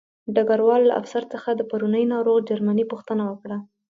ډګروال له افسر څخه د پرونۍ ناروغ جرمني پوښتنه وکړه